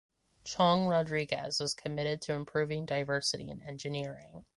Chong Rodriguez is committed to improving diversity in engineering.